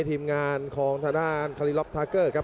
ทีมงานของทดานคารีลอฟทาร์เกอร์ครับ